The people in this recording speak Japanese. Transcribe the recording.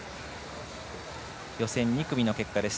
予選２組の結果です。